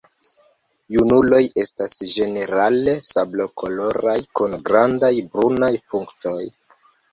Junuloj estas ĝenerale sablokoloraj kun grandaj brunaj punktoj.